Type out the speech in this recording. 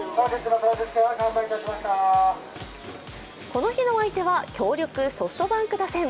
この日の相手は、強力ソフトバンク打線。